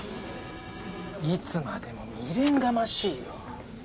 いつまでも未練がましいよ